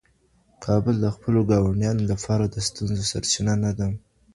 کابل د خپلو ګاونډیانو لپاره د ستونزو سرچینه نه ده.